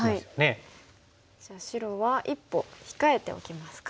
じゃあ白は一歩控えておきますか。